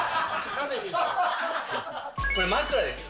これ、枕です。